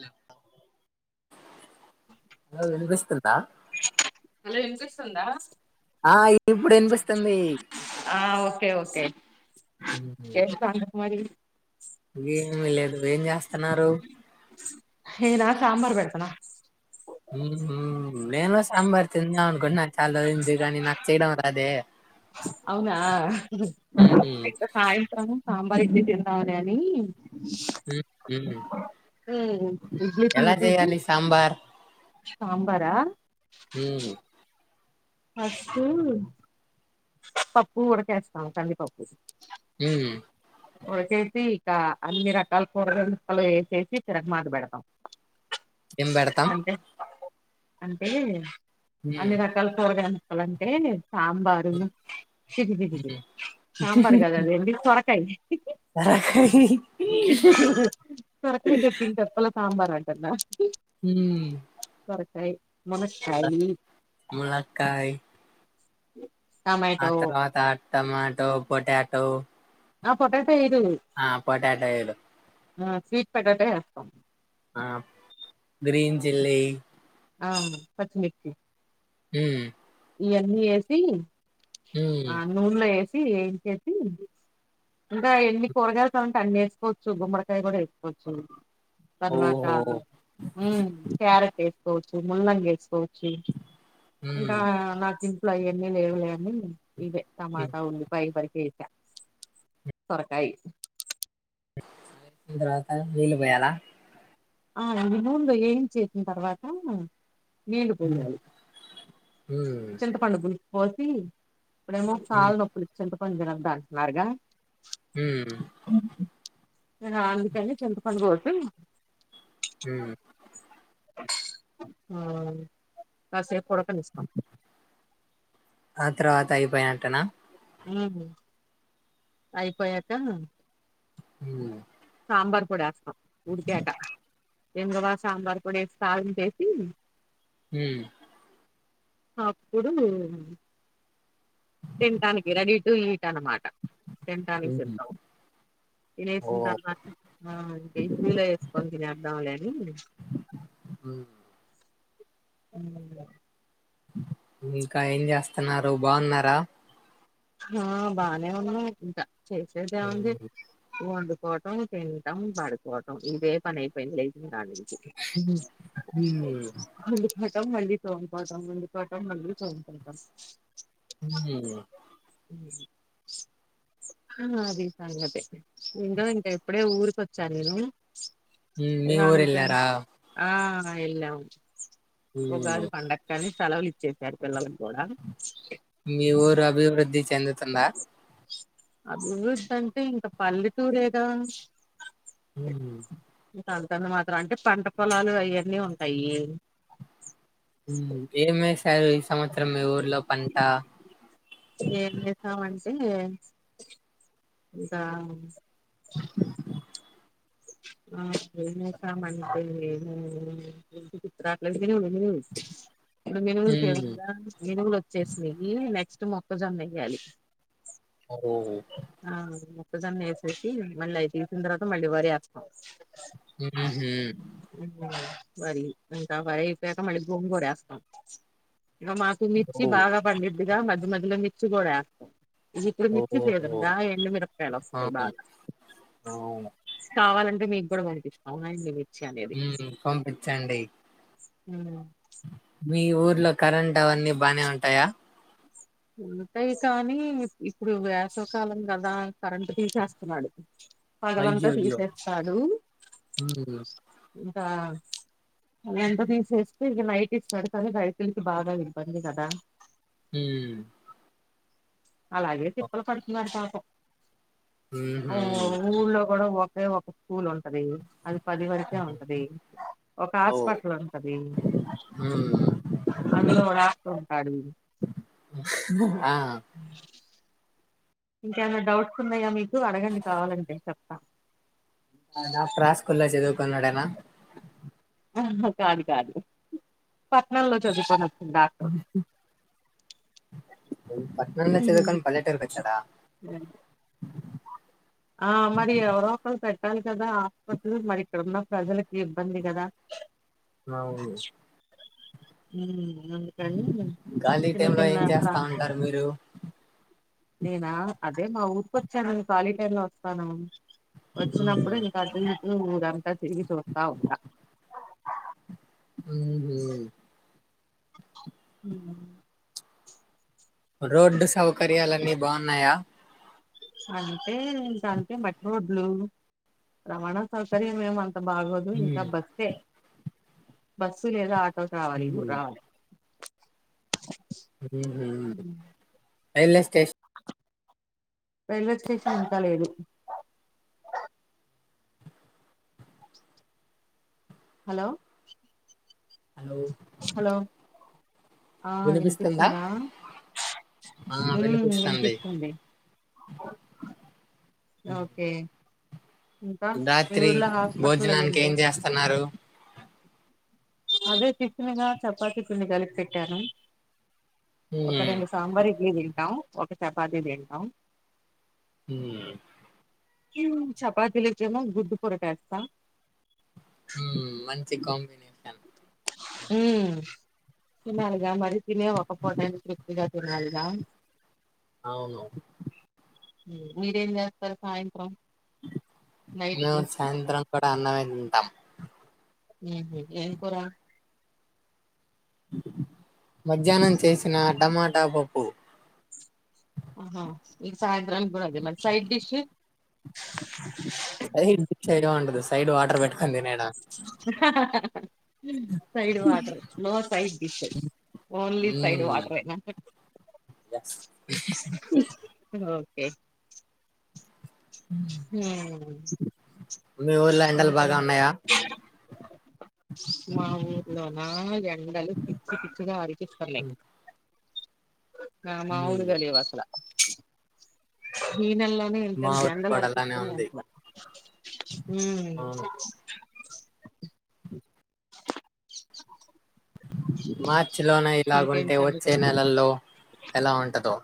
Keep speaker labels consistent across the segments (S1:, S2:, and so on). S1: ల అ వినిపిస్తుంద
S2: హలో వినిపిస్తుందా
S1: ఇప్పుడు వినిపిస్తుంది
S2: ఆ ఓకే ఓకే ఏంటి సంగతి మరి
S1: ఏమిీ లేదు ఏం చేస్తున్నారు
S2: సాబార్ బడతనా
S1: హ నేను సాంబార్ నా అన్కు నా చాలంది కానీ నాకు చేయడం రాదే
S2: అవునా
S1: ఉహు,
S2: సాయంత్రం సాంబార్ ఇడ్లీ తిందాంలే అని
S1: ఉహు.
S2: ఏ విజత
S1: ఎలా చేయాలి
S2: [unintelligible]
S1: సాంబార్
S2: సాంబారా
S1: హ
S2: ఫస్ట్ పప్పు వుడికేస్తామ కందిపప్పు
S1: హ
S2: ఉదుకేసి ఇక అన్ని రకాల కూరగాయ ముక్కలు వేసేసి తిరగ బోధ పెడతాం
S1: ఎంబ పెడతాం
S2: అంటే అంటే
S1: ఉహు,
S2: అన్ని రకాల కూరగాయ ముక్కలు అంటే సాంబారు సిది బిది సి
S1: ఉహు.
S2: సాంబార్ కాదు అది ఏంది సొరకాయ
S1: సొరకాయ
S2: చెప్పల సాంబార్ న్నా
S1: హ
S2: మునక్కాయ మునక్కాయ
S1: ములక్కాయ
S2: అ
S1: ఆ తర్వాత టమాటో పొటాటో
S2: ఆ ఫోటో
S1: ఆ పొటాట ఏలు
S2: ఆ స్వీట్ పొటా [unintelligible]
S1: ఆ గ్రీన్ చిల్లీ
S2: ఆ పచ్చమిచ్చి
S1: ఉమ్
S2: ఇవన్నీ వేసి ఆ నూనలో వేసి ఏ అన్నీ వేసి ఆ నూనెలో వేసి ఎన్ చేసి ఇంకా ఎన్ని కూరగాయలుతామంటే అన్ని వేసుకోవచ్చు గుమ్మడికాయ కూడా వేసుకోవచ్చు తర్వాత
S1: ఓహో
S2: క్యారెట్ వేసుకోవచ్చు ముల్లంగ వేసుకోవచ్చు ఇంకా నా సింపుల్ అవన్నీ లేవులేవని టమాటా ఉల్లి పైబరి కేేచ సొరకాయి
S1: తర్వత నీలు పొయల
S2: ఆ రెండు [unintelligible] ఏం చేసిన తర్వాత నీళ
S1: ఉమ్,
S2: పోయాలి
S1: ఉమ్,
S2: చింతపండు గులు పోసి ఇప్పుడేమో కాల
S1: ఉమ్,
S2: నొప్పు [unintelligible] అంటున్నారుగా
S1: ఉమ్
S2: నేను అ అందుకని చెంతపండు పోసి
S1: ఉమ్
S2: కాసేపు పడక నిస్తాం
S1: ఆ తర్వాత అయిపోయినట్టేనా
S2: అయిపోయాక
S1: ఉమ్
S2: సాంబార్ పొడి ఏస్తాం ఉడిక్యకా ఎంగ్రబా సాంబార్ పొడి వేసి కాగ చేసి
S1: ఉమ్
S2: అప్పుడు తింటానికి రెడీటు ఈట్ అన్నమాట తింటానికి
S1: ఉమ్.
S2: సిద్ధం
S1: ఓ
S2: తినిస్తాం వలో వేసుకొని థినెడ్హామ్ అని
S1: [unintelligible]
S2: ఉమ్,
S1: ఇంకా ఏం చేస్తున్నారు బాగున్నారా
S2: ఆ బానే ఉన్నాం ఇంకా చేసేదేముంది వం పోవటం తినడం పడుకోవటం ఇదే పని అయిపోయింది లేసినాడనుంచి
S1: ఉమ్,
S2: [unintelligible] మలి చోన్కోటం ఉంపోటం మళ్ళీ చోన్కోటం
S1: ఉమ్
S2: [unintelligible] ఆ అది సంగతే ఉందో ఇంకా ఇప్పుడే ఊరికొచ్చాను నేను
S1: మీ
S2: ఇగా
S1: ఊరు
S2: అందుకాని
S1: వెళ్ళారా
S2: భగున్నార ఆ ఎల్లాం
S1: ఉమ్.
S2: ఉగాది పండక్కని సెలవులు ఇచ్చేశారు పిల్లలకి కూడా
S1: మీ ఊరు అభివృద్ధి చెందుతుందా
S2: అభివృద్ధి అంటే ఇంకా పల్లెటూరేగా
S1: ఉమ్
S2: అంతంత మాత్రం అంటే పంట పొలాలు అవన్నీ ఉంటాయి
S1: ఏ [unintelligible] ఈ సంవత్సరం మీ ఊర్లో పంట
S2: ఉమ్ ధ ఆ [unintelligible] ఇప్పుడు మినుగులు
S1: ఉమ్.
S2: సేవగా మినుగులు వచ్చేసినవి నెక్స్ట్ మొక్కజొన్న వయ్యాలి
S1: హోహో
S2: మొక్కజొన్న వేసేసి మళ్ళీ అయి తీసిన తర్వాత మళ్ళీ వరి ఏస్తాం.
S1: హుహు హు
S2: వరి ఇంకా వరి అయిపోయాక మళ్ళీ గోంగూర వేస్తాం. ఇక మాకు
S1: ఓ
S2: మిర్చి బాగా పండిద్దుగా మధ్య మధ్యలో మిర్చి కూడా వేస్తాం. ఇప్పుడు
S1: ఓ
S2: మిర్చి సీజన్
S1: ఓ.
S2: గా ఎండుమిరపకాయలు వస్తాయి
S1: అవును
S2: బాగా.
S1: అవును.
S2: కావాలంటే మీకు కూడా పంపిస్తాం ఉన్నాయి [inaudible]
S1: ఉ పంపించండి
S2: ఉ
S1: మీ ఊర్లో కరెంట్ అవన్నీ బానే ఉంటాయా
S2: ఉంటాయి కానీ ఇప్పుడు వేసవికాలం కదా కరెంట్ తీసేస్తున్నాడు పగలంతా
S1: అయ్యయ్యో!
S2: తీసేస్తాడు
S1: హ్మ్.
S2: ఇంకా ఎంత తీసేస్తే ఇక నైట్ ఇస్తాడు కానీ రైతులకి బాగా ఇబ్బంది కదా
S1: హమ్
S2: అలాగే తిప్పలు పడుతున్నారు పాపం
S1: హుహు.
S2: ఊళ్లో కూడా టే ఒక స్కూల్ ఉంటది అది పది వరకే
S1: హ్మ్.
S2: ఉంటది ఒక
S1: ఓహ్!
S2: హాస్పిటల్ ఉంటది
S1: హ్మ్.
S2: అందులో ఒక డాక్టర్ ఉంటాడు
S1: ఆ!
S2: ఇంకేమన్న డౌట్స్ ఉన్నాయా మీకు అడగండి కావాలంటే చెప్తా.
S1: ఆయన ప్ర స్కూల్ చదువుకునోడెన
S2: ఆహా కాదు కాదు పట్నంలో చదువుకున్నాడు.
S1: పట్నాంలో చదువుకొని పల్లెటురుకి వాచ్చడా
S2: ఆ! మరి ఎవరో ఒకళ్ళు పెట్టాలి కదా! హాస్పిటల్ మరి ఇక్కడున్న ప్రజలకి ఇబ్బంది కదా
S1: అవును
S2: ఉ అందుకని
S1: ఖాళీ
S2: చిన్న
S1: టైమ్‌లో
S2: చిన్న
S1: ఏం
S2: ప్ర
S1: చేస్తా ఉంటారు మీరు?
S2: నేనా అదే మా ఊరికొచ్చానును ఖాళీ టైమ్ లో వస్తాను వచ్చినప్పుడు
S1: హ్మ్.
S2: ఇంకాది ఊరంతా తిరిగి చూస్తా ఉంటా
S1: హుహు
S2: హు
S1: రోడ్డు సౌకర్యాలన్నీ బాగున్నాయా
S2: అంతే ఇంకా అంటే మట్టి రోడ్లు రవాణా సౌకర్యం ఏం అంత అంత బాగోదు ఇంకా
S1: హ్మ్.
S2: బస్సే బస్సు లేదా ఆటో రావాలి
S1: హ్మ్.
S2: రావాలి. హ్మ్.
S1: రైల్వ్ స్టే
S2: రైల్వే స్టేషన్ ఇంకా లేదు హలో
S1: హలో
S2: హలో!
S1: వినిపిస్తుందా ఆ
S2: హ్మ్.
S1: వినిపిస్తంది
S2: వినిపిస్తుంది. ఓకే ఇంకా మీ
S1: రాత్రి
S2: ఊర్లో హాస్పిటల్
S1: భోజనానికి
S2: అయిందే
S1: ఏం చేస్తన్నారు?
S2: అదే టిఫిన్ గా చపాతి పిండి కలిపి పెట్టాను ఒక
S1: హ్మ్
S2: రెండు సాంబార్ ఇడ్లీ తింటాం ఒక చపాతి తింటాం
S1: హు
S2: హమ్ చపాతిలేకెమో గుడ్డు కూర చేస్తా
S1: మంచి కాంబినేషన్
S2: హమ్ తినాలి గా తినే ఒక్కపూటైనా తృప్తిగా తి తినాలి గా
S1: అవును
S2: మీరేం చేస్తారు సాయంత్రం నైట్
S1: మేము
S2: కి
S1: సాయంత్రం కూడ అన్నమే తింటాం
S2: ఏం కూర
S1: మధ్యానం చేసిన టమాట పప్పు
S2: ఆహో ఈ సాయత్రం కూడ అదే మరి సైడ్ డిష్
S1: సైడ్ డిష్ ఉంటదు సైడ్ వాటర్ పెట్టుకోని తినేయడమే
S2: side water no side dish only side వాట్రే అంతే
S1: ఎస్
S2: ఏ హు
S1: మీ ఊర్లో ఎండలు బాగా
S2: ఇంకేంటి
S1: ఉన్నాయా?
S2: మా ఊర్లోన ఎండలు పిచ్చ పిచ్చగా ఆరపిస్తనాయ్
S1: హ్మ్
S2: మాములుగా లేవసల ఈనెలొ
S1: మా
S2: ఎంతంత
S1: ఊర్లో
S2: ఎండలు
S1: కూడా అలానే
S2: అరిపిస్తనాయ్
S1: ఉంది.
S2: అట్లా
S1: అవును. మార్చిలోనే
S2: ఇంకేంటి
S1: ఇలగుంటే వచ్చే
S2: సంగతులు
S1: నెలల్లో ఎలా ఉంటదో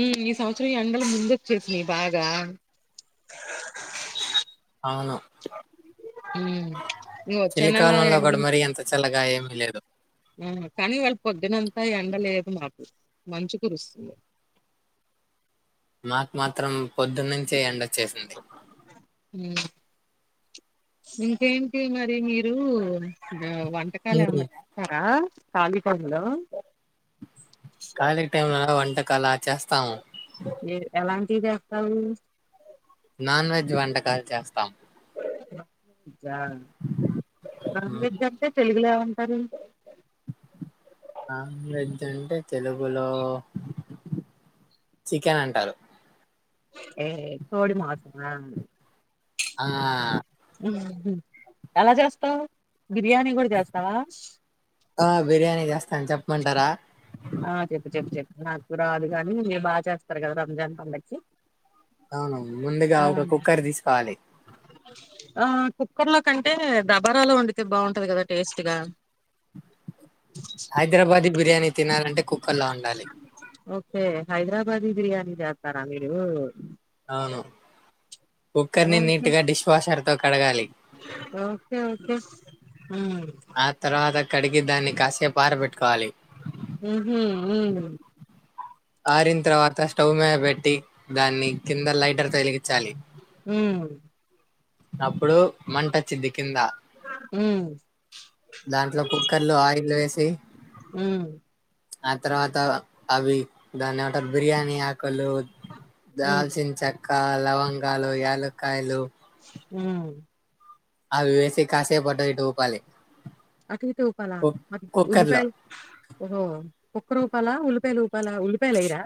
S2: ఉ ఈ సంవత్సరం ఎండలు ముందొచ్చేసినాయ్ బాగ
S1: అవును
S2: ఉమ్ ఇంగ వచ్చే
S1: చలి
S2: నెల
S1: కాలంలో కూడా మరి ఎంత చల్లగా ఎ లేదు
S2: ఆ కానీ ఇవాళ పొద్దునంతా ఎండలేదు మాకు మంచు కురుస్తుంది.
S1: మాకు మాత్రం పొద్దున్న నుంచే ఎండ
S2: ఉమ్ ఇంకేంటి మరి మీరూ. వంటకాలు
S1: హ్మ్
S2: ఏమన్నా చేస్తార ఖాళీ టైం లో
S1: ఖాళీ టైమ్ లోన వంటకాల చేస్తాము
S2: ఏం చేస్తావు
S1: నాన్ వెజ్ వంటకాలు చేస్తాం.
S2: నాన్ వెజ్ అంటే తెలీదు తెలుగు లో ఏమంటారు
S1: నాన్ వెజ్ అంటే తెలుగులో చికెన్ అంటారు
S2: ఏ కోడి మాసమ
S1: ఆ
S2: ఎలా చేస్తావ్ బిర్యానీ కూడ చేస్తావా
S1: ఆ బిర్యానీ చేస్తాను చెప్పమంటార
S2: ఆ చెప్పు చెప్పు చెప్పు నాకు రాదు గాని మీరు బాగా చేస్తారు కదా రంజాన్ పండక్కి
S1: అవును ముందుగా
S2: ఆ
S1: ఒక కుక్కర్ తీసుకోవాలి.
S2: ఆ కుక్కర్ లో కంటే దబారలో వండితే బాగుంటంది కదా టేస్ట్ గా
S1: హైదరాబాది బిర్యానీ తిన తినాలంటే కుక్కర్ లో వండాలి
S2: హైదరాబాది బిర్యాని చేస్తారా మీరు
S1: అవును కుక్కర్ని
S2: ఓకే
S1: నీట్ గ డిష్ వాషర్ తో కడగాలి
S2: ఓకే ఓకే ఉమ్
S1: ఆ తర్వాత కడిగి దాని కాసేపు ఆర పెట్టుకోవాలి
S2: ఉహు ఉమ్
S1: ఆరిన తర్వాత స్టవ్ మీద పెట్టి దాన్ని కింద లైటర్ తో వెలిగిచాలి
S2: ఉమ్
S1: అప్పుడు మంటోచ్చిద్ది కింద
S2: ఉమ్
S1: దాంట్లో కుక్కర్ లో ఆయిల్ వేసి,
S2: ఉమ్
S1: ఆ తర్వాత అవి దాన్ని ఏమంటారు. బిర్యానీ ఆక్ క,
S2: ఉమ్
S1: దాల్చిన చెక్క, లవంగాలు, యాలక్కాయలు,
S2: ఉమ్
S1: అవి వేసి కాసేపు అటు ఇటు ఊపాలి.
S2: అటు ఇటు ఊపాల?
S1: కుక్
S2: అట్
S1: కుక్కర్ లో
S2: ఉల్లిపాయల్ ఓహో, కుక్కర్ ఊపాలా, ఉల్లిపాయలు ఊప్ పాలా? ఉల్లిపాయలేయ్రా.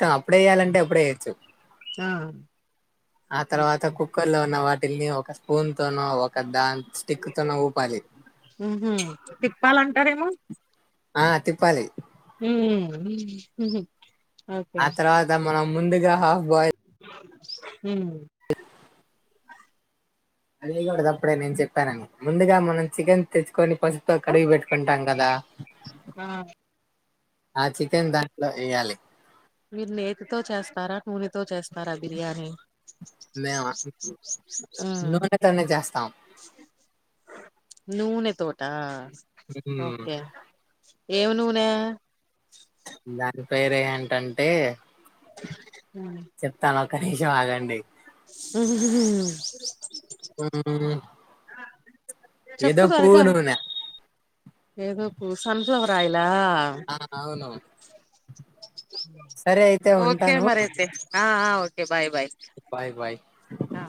S1: టా అప్పుడే వేయాలంటే, అప్పుడే వేయొచ్చు.
S2: ఆ
S1: ఆ తర్వాత కుక్కర్ లో ఉన్న వాట్ టిళ్ల్ని ఒక స్పూన్ తోనో, ఒక దాన్ స్టిక్ తోనో ఊపాలి.
S2: ఉహు తిప్పాలంటారేమో
S1: ఆ తిప్పాలి
S2: ఉమ్మ్ ఉమ్ ఉహ్ హు
S1: ఆ తర్వాత మనం ముందుగా హాఫ్ బాయ్ల్
S2: ఉమ్
S1: అదేయ్గూడదు అప్పుడే నేను చెప్పానని, ముందుగా మనం చికెన్ తెచ్చుకొని. పాస్ప్ తో కడిగి పెట్కుంటాంగాదా.
S2: ఆ
S1: ఆ చికెన్ దాంట్లో ఏయ్యాలి.
S2: మీరు నేతితో చేస్తారా, నూనెతో చేస్తారా, బిర్యానీ?
S1: మేవా
S2: ఉమ్
S1: నూనెతోనే చేస్తాం.
S2: నూనె తోటా
S1: హ్మ్.
S2: ఓకే ఏవ నూనె
S1: మ్ దాని పేరేంటంటే చెప్తాను ఒక నీమ్సం ఆగండి.
S2: అ
S1: ప్చ్ ఏదో
S2: త్వరగా
S1: పువ్నున
S2: ఏదో పువ్ సన్ఫ్లవర్ ఆయిల్
S1: ఆ అవును సరే అయితే
S2: ఓకే
S1: ఉంటాను.
S2: మరైతే ఆ ఆ okay bye bye
S1: bye. Bye.
S2: ఆ